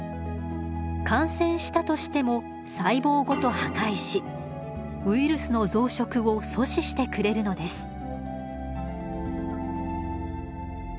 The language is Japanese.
感染したとしても細胞ごと破壊しウイルスの増殖を阻止してくれるのです。